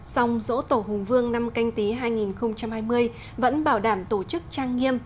dòng dỗ tổ hùng vương năm canh tí hai nghìn hai mươi vẫn bảo đảm tổ chức trang nghiêm